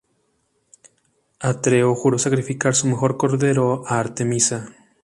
Atreo juró sacrificar su mejor cordero a Artemisa.